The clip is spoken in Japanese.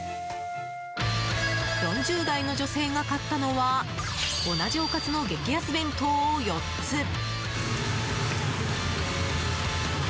４０代の女性が買ったのは同じおかずの激安弁当を４つ。